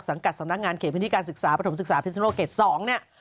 สังกัดสำนักงานเขตพิธีการศึกษาปฐมศึกษาพิษณุโลกเกต๒เนี่ย